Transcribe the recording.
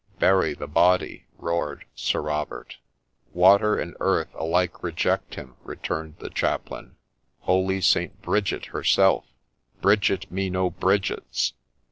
' Bury the body !' roared Sir Robert. ' Water and earth alike reject him,' returned the Chaplain ;' holy St. Bridget herself '' Bridget me no Bridgets